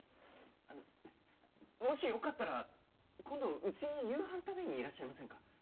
あのもしよかったら今度うちに夕飯食べにいらっしゃいませんか？